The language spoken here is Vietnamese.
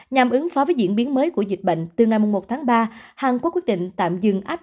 nhằm ứng phó với diễn biến mới của dịch bệnh từ ngày một tháng ba hàn quốc quyết định tạm dừng áp